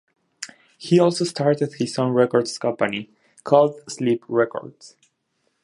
He also started his own record company called Slip Records.